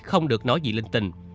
không được nói gì linh tình